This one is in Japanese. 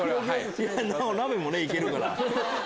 鍋も行けるから。